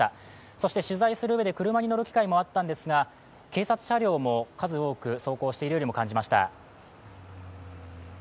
そして取材する上で、車に乗る機会もあったんですが、警察車両も数多く走行しているようにも感じました。